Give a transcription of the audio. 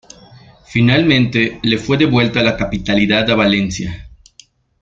Finalmente, le fue devuelta la capitalidad a Valencia.